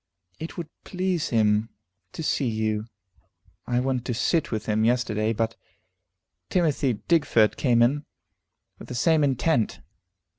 "It would please him to see you. I went to sit with him yesterday, but Timothy Digfort came in, with the same intent.